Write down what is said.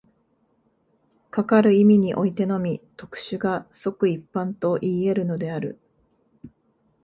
かかる意味においてのみ、特殊が即一般といい得るのである。